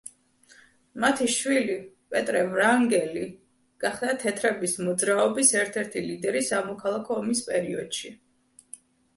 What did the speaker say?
მათი შვილი პეტრე ვრანგელი გახდა თეთრების მოძრაობის ერთ-ერთი ლიდერი სამოქალაქო ომის პერიოდში.